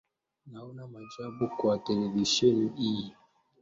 Naona maajabu kwa televisheni hii.